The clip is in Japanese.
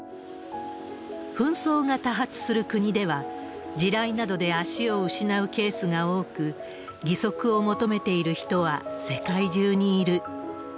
紛争が多発する国では、地雷などで足を失うケースが多く、義足を求めている人は世界中にいる。